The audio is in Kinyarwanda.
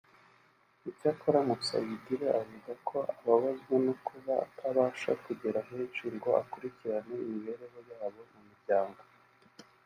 Icyakora Musayidire avuga ko ababazwa no kuba atabasha kugera henshi ngo akurikirane imibereho yabo mu miryango